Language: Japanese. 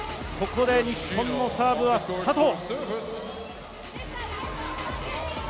ここで日本のサーブは佐藤。